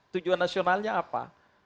tujuan nasionalnya apa